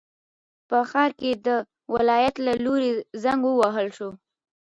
په ښار کې د ولایت له لوري زنګ ووهل شو.